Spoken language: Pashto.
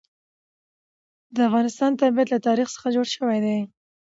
د افغانستان طبیعت له تاریخ څخه جوړ شوی دی.